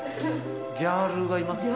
ギャールーがいますね。